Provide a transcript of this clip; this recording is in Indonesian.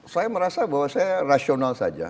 saya merasa bahwa saya rasional saja